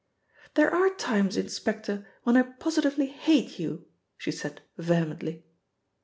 "There are times, inspector, when I positively hate you!" she said vehemently.